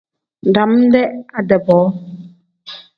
Dam-dee ade-bo.